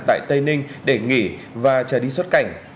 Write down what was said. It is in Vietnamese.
tại tây ninh để nghỉ và chờ đi xuất cảnh